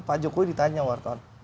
pak jokowi ditanya wartawan